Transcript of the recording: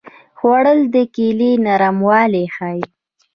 خوړل د کیلې نرموالی ښيي